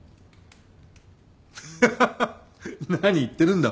ハハハッ何言ってるんだ。